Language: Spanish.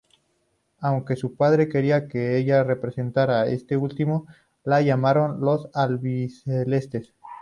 Aunque su padre quería que ella representara a este último, la llamaron los "Albicelestes".